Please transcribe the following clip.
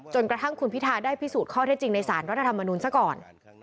กระทั่งคุณพิทาได้พิสูจน์ข้อเท็จจริงในสารรัฐธรรมนุนซะก่อน